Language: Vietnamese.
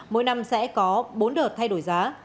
mỗi năm sẽ có bốn đợt thay đổi giá